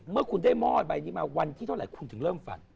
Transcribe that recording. เมื่อคุณได้หม้อใบนี้มาวันที่เท่าไหร่คุณถึงเริ่มฝัน